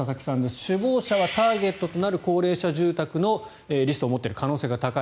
首謀者はターゲットとなる高齢者住宅のリストを持ってる可能性が高い。